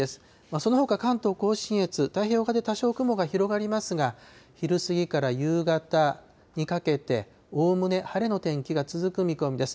そのほか関東甲信越、太平洋側で多少雲が広がりますが、昼過ぎから夕方にかけて、おおむね晴れの天気が続く見込みです。